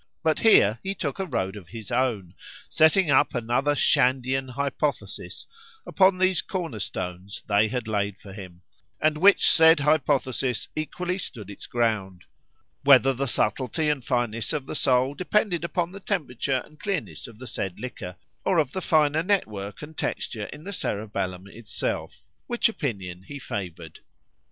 ——But here he took a road of his own, setting up another Shandean hypothesis upon these corner stones they had laid for him;——and which said hypothesis equally stood its ground; whether the subtilty and fineness of the soul depended upon the temperature and clearness of the said liquor, or of the finer net work and texture in the cerebellum itself; which opinion he favoured.